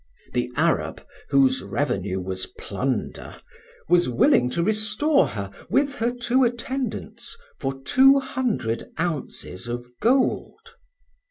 The Arab, whose revenue was plunder, was willing to restore her, with her two attendants, for two hundred ounces of gold.